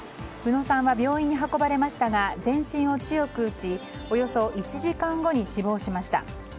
宇野さんは病院に運ばれましたが全身を強く打ちおよそ１時間後に死亡しました。